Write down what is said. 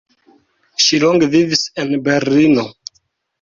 Ŝi longe vivis en Berlino.